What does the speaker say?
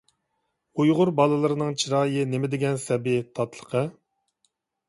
ئۇيغۇر بالىلىرىنىڭ چىرايى نېمىدېگەن سەبىي، تاتلىق-ھە!